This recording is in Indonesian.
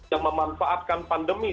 yang memanfaatkan pandemi